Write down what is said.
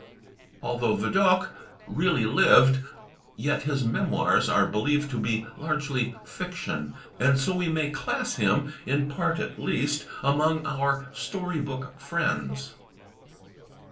'' Although Vidocq really lived, yet his "Memoirs" are believed to be largely fiction, and so we may class him, in part at least, among our story book friends.